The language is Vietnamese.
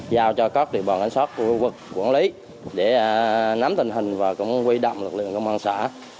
giao cho cốc địa bòn ảnh sát của quận lý để nắm tình hình và cũng quy động lực lượng công an xã